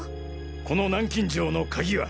この南京錠の鍵は！？